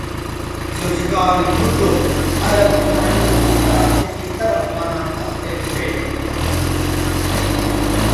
ذوالفقار علی بھٹو عرب بھائیوں کو کراچی کی طرف لانا چاہتے تھے۔